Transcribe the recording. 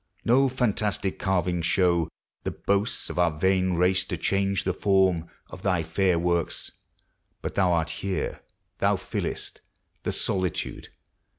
No fantastic carvings show The boast of our vain race to change the form Of thy fair works. But thou art here, — thou fill'st The solitude.